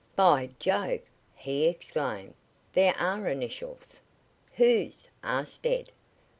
"By Jove!" he exclaimed. "There are initials!" "Whose?" asked Ed.